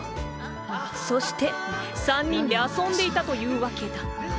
そして３人で遊んでいたというわけだ。